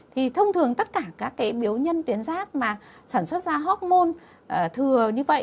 thì thông thường tất cả các cái biểu nhân tuyến giáp mà sản xuất ra hốc môn thừa như vậy